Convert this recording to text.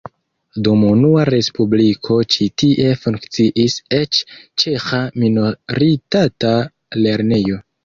Dum unua respubliko ĉi tie funkciis eĉ ĉeĥa minoritata lernejo.